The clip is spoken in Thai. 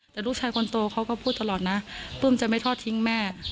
แต่ลูกชายคนโตเขาก็พูดตลอดนะปลื้มจะไม่ทอดทิ้งแม่